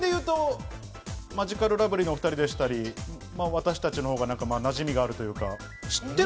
マヂカルラブリーのお二人でしたり、私たちのほうが、なじみがあるというか。